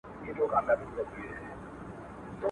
شیخه تا چي به په حق تکفیرولو.